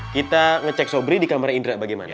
kita ngecek sobri di kamar indra bagaimana